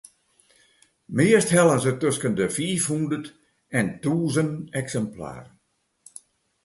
Meast hellen se tusken de fiifhûndert en tûzen eksimplaren.